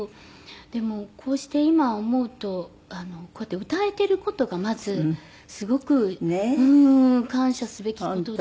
でもこうして今思うとこうやって歌えている事がまずすごく感謝すべき事で。